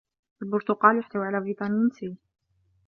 البرتقال يحتوي على فيتامين سي